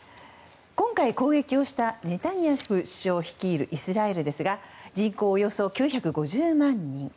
今回、攻撃をしたネタニヤフ首相率いるイスラエルですが人口およそ９５０万人。